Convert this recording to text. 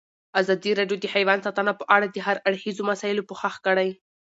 ازادي راډیو د حیوان ساتنه په اړه د هر اړخیزو مسایلو پوښښ کړی.